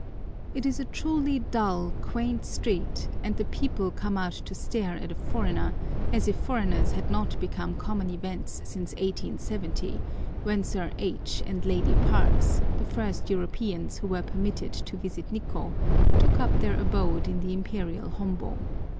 It is a truly dull, quaint street, and the people come out to stare at a foreigner as if foreigners had not become common events since 1870, when Sir H. and Lady Parkes, the first Europeans who were permitted to visit Nikkô, took up their abode in the Imperial Hombô.